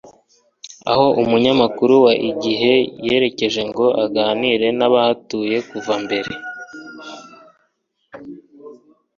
aho Umunyamakuru wa IGIHE yerekeje ngo aganire n'abahatuye kuva mbere,